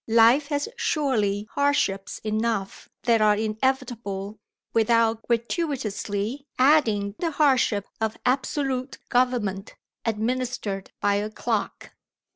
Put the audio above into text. Life has surely hardships enough that are inevitable without gratuitously adding the hardship of absolute government, administered by a clock?